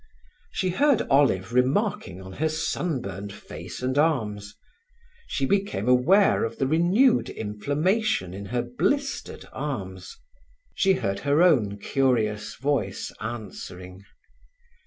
She heard Olive remarking on her sunburned face and arms; she became aware of the renewed inflammation in her blistered arms; she heard her own curious voice answering.